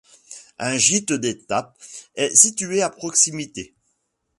Un gite d'étape est situé à proximité.